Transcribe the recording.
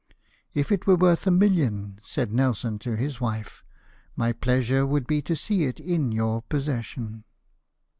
" If it were worth a million," said Nelson to his wife, "my pleasure would be to see it in your possession."